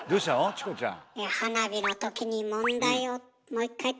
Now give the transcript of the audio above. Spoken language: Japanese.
チコちゃん。